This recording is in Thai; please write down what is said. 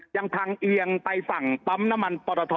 ยังพังเอียงไปฝั่งปั๊มน้ำมันปรท